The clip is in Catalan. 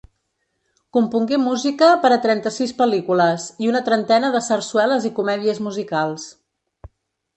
Compongué música per a trenta-sis pel·lícules i una trentena de sarsueles i comèdies musicals.